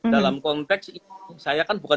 dalam konteks saya kan bukan